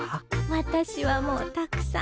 私はもうたくさん。